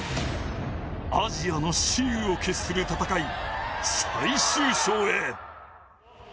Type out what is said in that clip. アジアの雌雄を決する戦い、最終章へ。